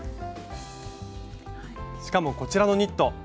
しかもこちらのニット。